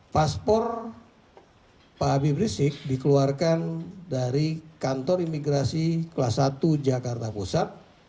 paspor pak habib risik dikeluarkan dari kantor imigrasi kelas satu jakarta pusat